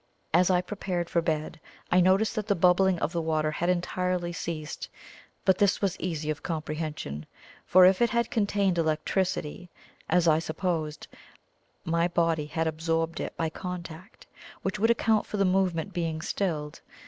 As I prepared for bed, I noticed that the bubbling of the water had entirely ceased; but this was easy of comprehension, for if it had contained electricity, as I supposed, my body had absorbed it by contact, which would account for the movement being stilled.